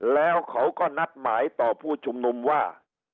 แล้วเขาก็นัดหมายต่อผู้ชุมนุมว่า